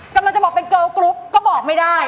กำลังจะบอกเป็นเกิลกรุ๊ปก็บอกไม่ได้